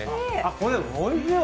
これ、おいしいわ。